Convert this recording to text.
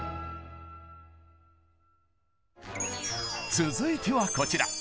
続いてはこちら！